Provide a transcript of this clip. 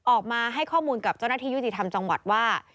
ออกมาให้ข้อมูลกับเจ้าหน้าที่ยุติธรรมจังหวัดว่า